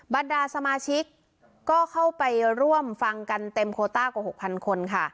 บรรดาสมาชิกก็เข้าไปร่วมฟังกันเต็มโคต้ากว่า๖๐๐คนค่ะ